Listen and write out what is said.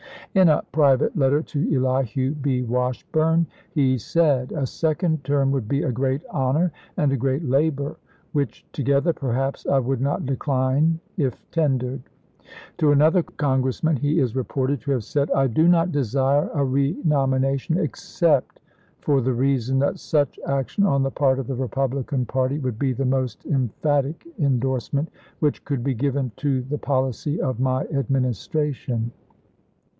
In a private letter to Elihu B. Washburne, he said : "A second term would be a great honor and a great labor, which together perhaps I would not decline if ten 1863?' ms. dered." To another Congressman he is reported to LINCOLN RENOMINATED 59 have said :" I do not desire a renomination, except for the reason that such action on the part of the Republican party would be the most emphatic indorsement which could be given to the policy of my Administration."